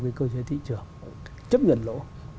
cái cơ chế thị trường chấp nhận lỗ